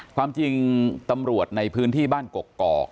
ความจริงตำรวจในพื้นที่บ้านกกอก